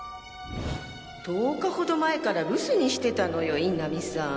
１０日ほど前から留守にしてたのよ印南さん。